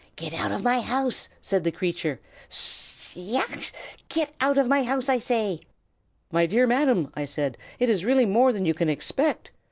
"'Get out of my house!' said the creature. 'F s s s s yeh yow s s s s s s! get out of my house, I say!' "'My dear Madam,' I said, 'it is really more than you can expect.